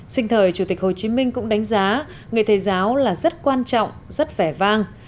sinh thời chủ tịch hồ chí minh cũng đánh giá nghề thầy giáo là rất quan trọng rất vẻ vang